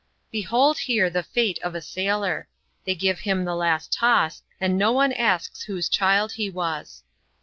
Behold here the fate of a sailor ! They give him the last toss, and no one asks whose child he was.